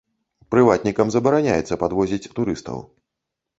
Прыватнікам забараняецца падвозіць турыстаў.